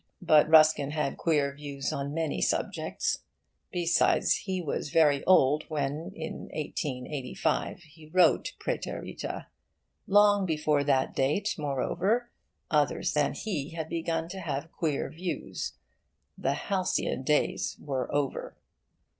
But Ruskin had queer views on many subjects. Besides, he was very old when, in 1885, he wrote Praeterita. Long before that date, moreover, others than he had begun to have queer views. The halcyon days were over.